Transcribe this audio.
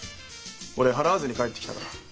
俺払わずに帰ってきたから。